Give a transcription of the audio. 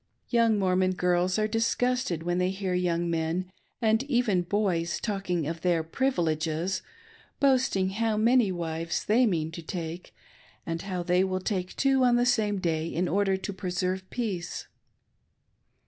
Young Mormon girls are disgusted when "they hear young men and even boys talking of their " privil eges," boasting how many wives they mean to take, and how they will take two on the same day in order to preserve peace.